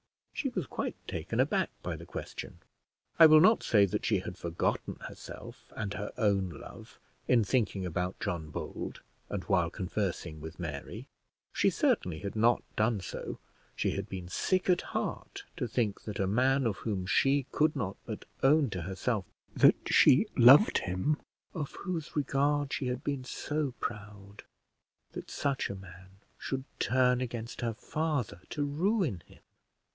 She was quite taken aback by the question. I will not say that she had forgotten herself, and her own love in thinking about John Bold, and while conversing with Mary: she certainly had not done so. She had been sick at heart to think that a man of whom she could not but own to herself that she loved him, of whose regard she had been so proud, that such a man should turn against her father to ruin him.